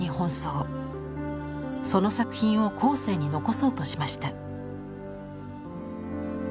その作品を後世に残そうとしました。